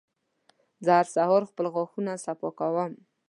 زه هر سهار خپل غاښونه صفا کوم.